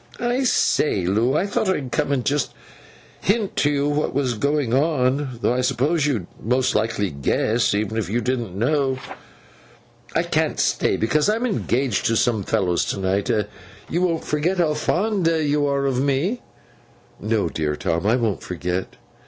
'I say, Loo! I thought I'd come, and just hint to you what was going on: though I supposed you'd most likely guess, even if you didn't know. I can't stay, because I'm engaged to some fellows to night. You won't forget how fond you are of me?' 'No, dear Tom, I won't forget.